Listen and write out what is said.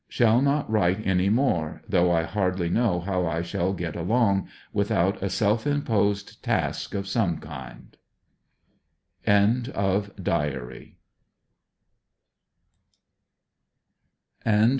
Shall not write any more, though I hardly know how I shall get along, without a self imposed task of some kind. END OF DIARY.